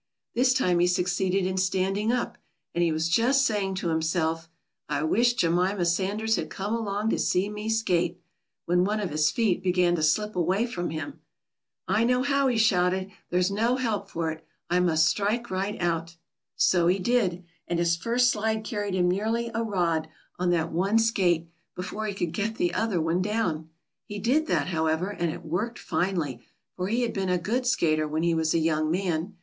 This time he succeeded in standing up, and he was just saying to himself, "I wish Jemima Sanders had come along to see me skate," when one of his feet began to slip away from him. "I know how," he shouted. "There's no help for it. I must strike right out." So he did, and his first slide carried him nearly a rod on that one skate before he could get the other one down. He did that, however, and it worked finely, for he had been a good skater when he was a young man.